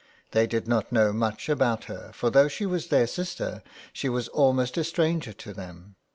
They did not know much about her, for though she was their sister, she was almost a stranger to them.